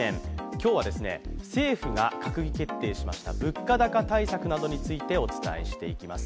今日は、政府が閣議決定しました物価高対策などについてお伝えしていきます。